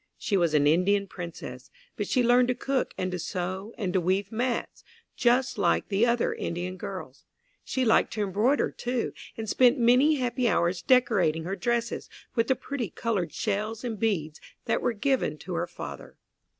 She was an Indian princess, but she learned to cook and to sew and to weave mats, just like the other Indian girls. She liked to embroider, too, and spent many happy hours decorating her dresses with the pretty coloured shells and beads that were given to her father.